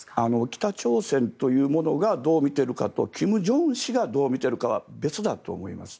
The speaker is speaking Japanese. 北朝鮮というものがどう見ているかというのと金正恩氏がどう見ているかは別だと思います。